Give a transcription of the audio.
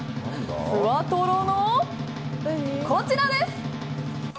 ふわトロの、こちらです。